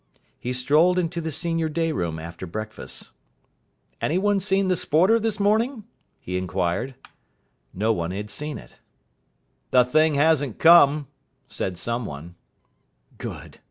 He strolled into the senior day room after breakfast. "Any one seen the Sporter this morning?" he inquired. No one had seen it. "The thing hasn't come," said some one. "Good!"